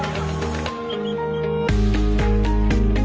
กลับมาที่นี่